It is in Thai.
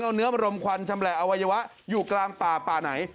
เอาเนื้อมารมควันชำแหละอวัยวะอยู่กลางป่าป่าไหน